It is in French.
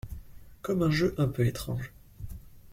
Comme un jeu un peu étrange.